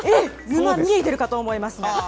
沼、見えてるかと思います。